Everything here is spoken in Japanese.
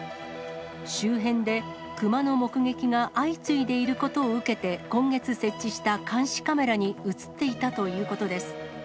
周辺でクマの目撃が相次いでいることを受けて、今月設置した監視カメラに写っていたということです。